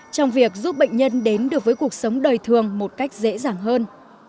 trong việc giúp bệnh nhân đến được với cuộc sống đời thường một cách dễ dàng hơn